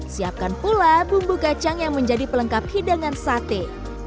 siapkan pula bumbu kacang yang menjadi pelengkap hidangan sate